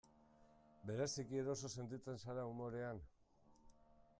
Bereziki eroso sentitzen zara umorean?